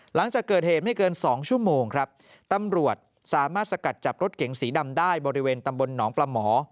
หลังจากเกิดเหตุไม่เกินสองชั่วโมงครับตำรวจสามารถสกัดจับรถเก๋งสีดำได้บริเวณตำบลหนองปลาหมอ